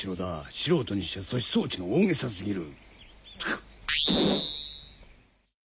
素人にしちゃ阻止装置が大げさ過ぎる。